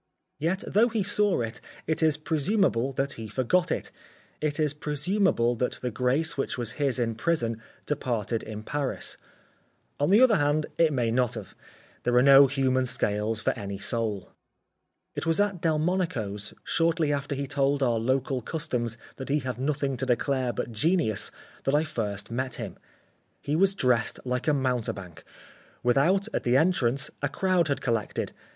Yet though he saw it, it is presumable that he forgot it. It is presumable that the grace which was his in prison departed in Paris. On the other hand it may not have. There are no human scales for any soul. It was at Delmonico's, shortly after he told our local Customs that he had nothing to declare but genius, that I first met him. He was dressed like a mountebank. Without, at the entrance, a crowd had collected.